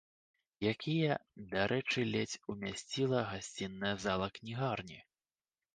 Якія, дарэчы, ледзь умясціла гасцінная зала кнігарні.